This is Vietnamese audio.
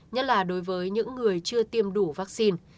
nhất là đối với những người chưa tiêm đủ vaccine